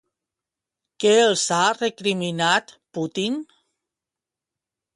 Què els ha recriminat Putin?